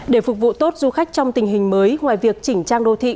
để phục vụ tốt du khách trong tình hình mới ngoài việc chỉnh trang đô thị